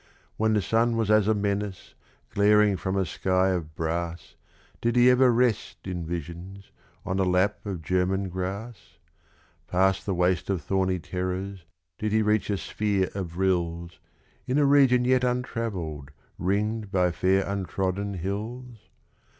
When the sun was as a menace, glaring from a sky of brass, Did he ever rest, in visions, on a lap of German grass? Past the waste of thorny terrors, did he reach a sphere of rills, In a region yet untravelled, ringed by fair untrodden hills?